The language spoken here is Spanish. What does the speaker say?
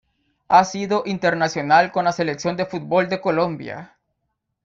Ha sido internacional con la Selección de fútbol de Colombia.